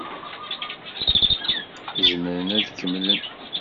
Zemren ad kemmlen?